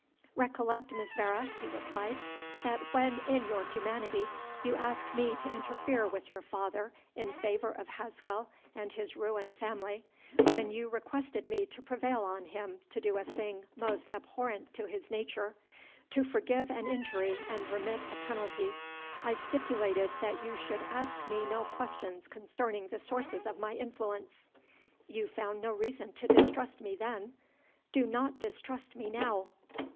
"Recollect, Miss Vere," he replied, "that when, in your humanity, you asked me to interfere with your father in favour of Haswell and his ruined family when you requested me to prevail on him to do a thing most abhorrent to his nature to forgive an injury and remit a penalty I stipulated that you should ask me no questions concerning the sources of my influence You found no reason to distrust me then, do not distrust me now."